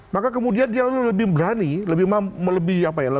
maka kemudian dia lebih berani